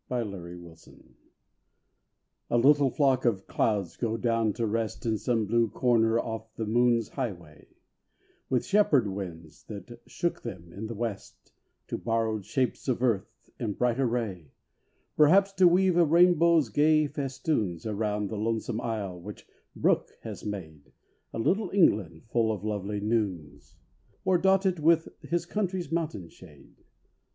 EVENING CLOUDS A LITTLE flock of clouds go down to rest In some blue corner off the moon's highway, With shepherd winds that shook them in the West To borrowed shapes of earth, in bright array, Perhaps to weave a rainbow's gay festoons Around the lonesome isle which Brooke has made A little England full of lovely noons, Or dot it with his country's mountain shade.